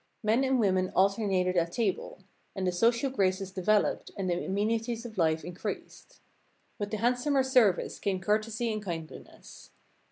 Men and women alternated at table, and the social graces developed and the amenities of life increased. With the handsomer service came courtesy and kindliness.